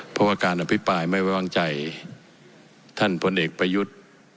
เพราะว่าการอภิปรายไม่ไว้วางใจท่านพลเอกประยุทธ์